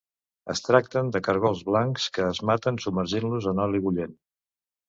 Es tracten de caragols blancs que es maten submergint-los en oli bullent.